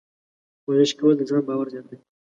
ورزش کول د ځان باور زیاتوي.